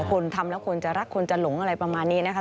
คนทำแล้วคนจะรักคนจะหลงอะไรประมาณนี้นะคะ